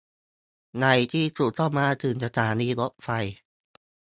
ในที่สุดก็มาถึงสถานีรถไฟ